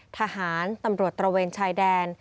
ทหารตำรวจตระเวนชายแดน